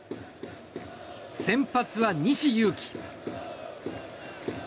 先発は西勇輝。